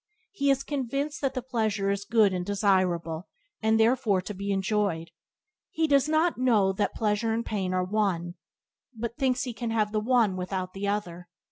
He is convinced that the pleasure is good and desirable, and therefore to be enjoyed. He does not know that pleasure and pain are one, but thinks he can have the one without the other.